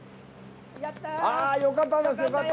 よかったです！